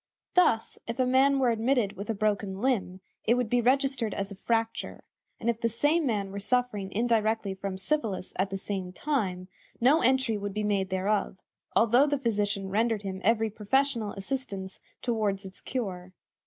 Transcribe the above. Thus, if a man were admitted with a broken limb, it would be registered as a fracture; and if the same man were suffering indirectly from syphilis at the same time, no entry would be made thereof, although the physician rendered him every professional assistance toward its cure.